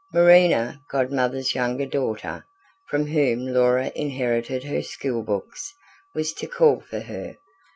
Marina, Godmother's younger daughter, from whom Laura inherited her school books, was to call for her.